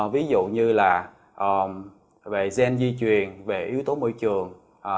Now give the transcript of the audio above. ví dụ như là về gen di truyền về yếu tố môi trường